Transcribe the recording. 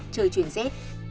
trời chuyển rét